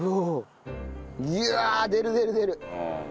うわあ出る出る出る。